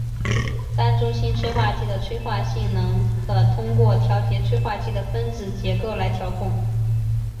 单中心催化剂的催化性能可通过调节催化剂的分子结构来调控。